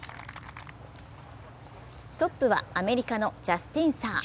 トップはアメリカのジャスティン・サー。